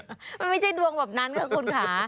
มันไม่ใช่ดวงแบบนั้นค่ะคุณค่ะ